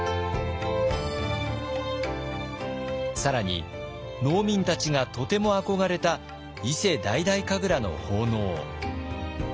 更に農民たちがとても憧れた伊勢大々神楽の奉納。